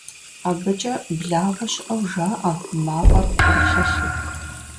АбыкӀэ благъуэ щыӀэу жаӀэ, мафӀэр къыӀурылъэлъу.